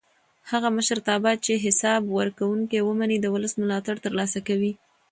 هغه مشرتابه چې حساب ورکوونه ومني د ولس ملاتړ تر لاسه کوي